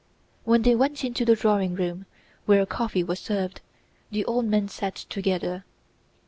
When they went into the drawing room where coffee was served, the old men sat together.